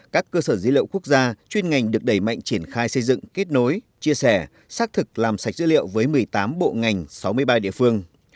các cơ sở dữ liệu quốc gia chuyên ngành được đẩy mạnh triển khai xây dựng kết nối chia sẻ xác thực làm sạch dữ liệu với một mươi tám bộ ngành sáu mươi ba địa phương